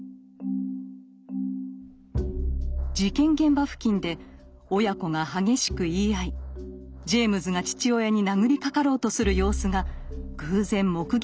事件現場付近で親子が激しく言い合いジェイムズが父親に殴りかかろうとする様子が偶然目撃されていたのです。